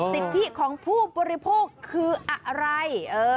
สิทธิของผู้บริโภคคืออะไร